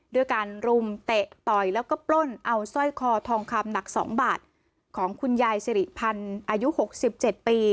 ด้วยการรุมเตะต่อยแล้วก็ปล้นเอาสร้อยคอทองคำหนัก๒บาทของคุณยายสิริพันธ์อายุ๖๗ปี